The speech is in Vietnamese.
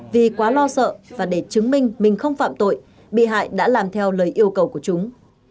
vì quá lo sợ và để chứng minh mình không phạm tội bị hại đã làm theo lời yêu cầu của chúng